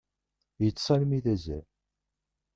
Yeṭṭes almi d azal.